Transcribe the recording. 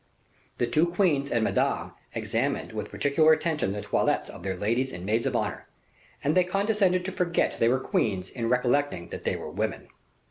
The two queens and Madame examined with particular attention the toilettes of their ladies and maids of honor; and they condescended to forget they were queens in recollecting that they were women.